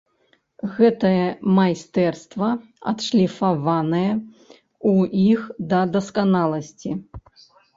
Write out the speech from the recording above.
Гэтае майстэрства адшліфаванае ў іх да дасканаласці.